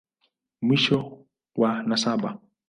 Mwisho wa nasaba.